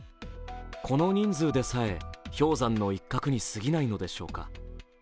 この人数でさえ、氷山の一角に過ぎないのでしょうか。